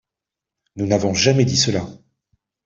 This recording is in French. Nous n’avons jamais dit cela